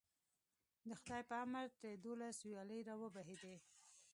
د خدای په امر ترې دولس ویالې راوبهېدې.